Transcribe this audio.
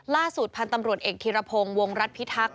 ล่าสุดพันธุ์ตำรวจเอกธิรพงศ์วงรัฐพิทักษ